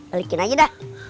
balikin aja dah